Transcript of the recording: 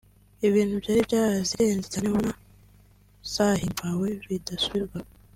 Ibintu byari byazirenze cyane ubona zahimbawe bidasubirwaho